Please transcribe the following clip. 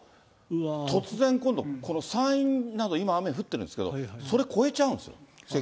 突然、今度、この山陰など、今、雨降ってるんですけど、それ超えちゃうんです。